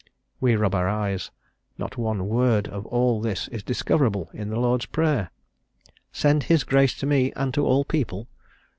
We rub our eyes; not one word of all this is discoverable in the Lord's Prayer! "Send his grace to me and to all people"?